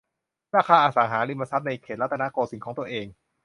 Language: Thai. ราคาอสังหาริมทรัพย์ในเขตรัตนโกสินทร์ของตัวเอง